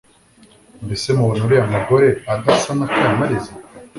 mbese mubona uriya mugore adasa na kamaliza